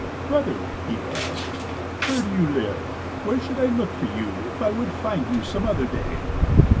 " Brother," he asked, " where do you live ? Where should I look for you if I would find you some other day?"